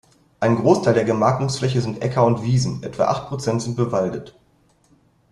Ein Großteil der Gemarkungsfläche sind Äcker und Wiesen, etwa acht Prozent sind bewaldet.